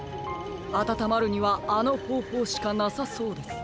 あたたまるにはあのほうほうしかなさそうです。